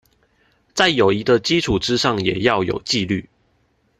在友誼的基礎之上也要有紀律